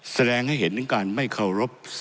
แสดงให้เห็นถึงการไม่เคารพ